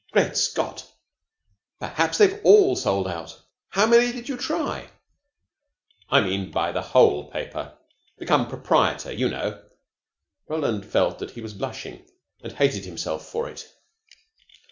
Great Scott, perhaps they've all sold out! How many did you try?" "I mean buy the whole paper. Become proprietor, you know." Roland felt that he was blushing, and hated himself for it.